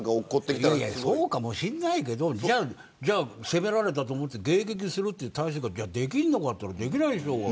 いやいやそうかもしれないけどじゃあ、攻められたと思って迎撃するという態勢ができるかといったらできないでしょう。